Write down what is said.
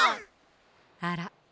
あら？